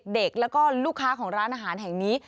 เด็กแล้วก็ลูกค้าของร้านอาหารแห่งนี้